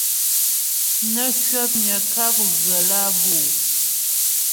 Nə kwəpnyə ŋkáp ghə̀ lǎ bǔ ?